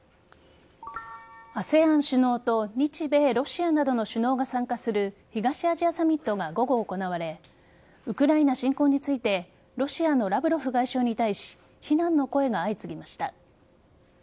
ＡＳＥＡＮ首脳と日米ロシアなどの首脳が参加する東アジアサミットが午後、行われウクライナ侵攻についてロシアのラブロフ外相に対し非難の声が相次ぎました。